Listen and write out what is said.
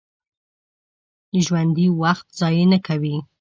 ژوندي وخت ضایع نه کوي